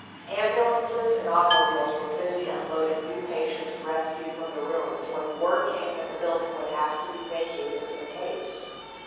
Ambulances and automobiles were busy unloading new patients rescued from the ruins when word came that the building would have to be vacated in haste.